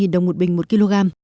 ba trăm ba mươi đồng một bình một kg